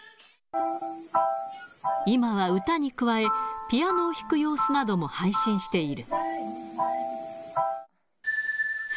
今は歌に加え、ピアノを弾く様子なども配信している。